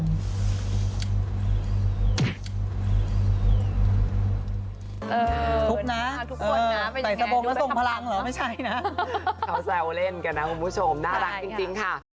ทุบนะทุกคนนะใส่สะบงแล้วส่งพลังเหรอไม่ใช่นะเขาแซวเล่นกันนะคุณผู้ชมน่ารักจริงค่ะ